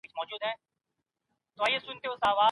تاسي هغه ځړوی مه .